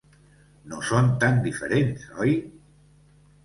No són tan diferents, oi?